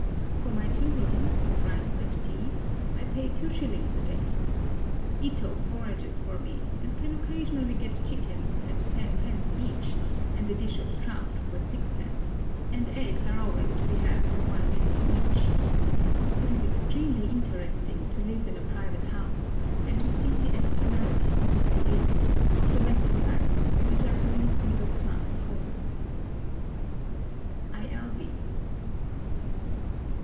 For my two rooms, with rice and tea, I pay 2s. a day. Ito forages for me, and can occasionally get chickens at 10d. each, and a dish of trout for 6d., and eggs are always to be had for 1d. each. It is extremely interesting to live in a private house and to see the externalities, at least, of domestic life in a Japanese middle class home. I. L. B.